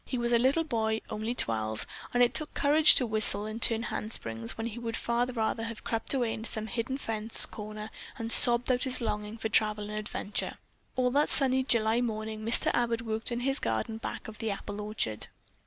He was a little boy, only twelve, and it took courage to whistle and turn handsprings when he would far rather have crept away into some hidden fence corner and sobbed out his longing for travel and adventure. All that sunny July morning Mr. Abbott worked in his garden back of the apple orchard.